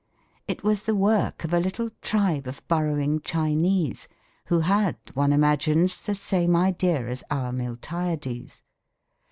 It was the work of a little tribe of burrowing Chinese who had had, one imagines, the same idea as our Miltiades.